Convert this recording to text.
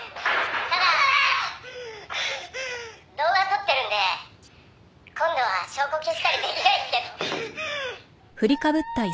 「ただ動画撮ってるんで今度は証拠消したりできないっすけど」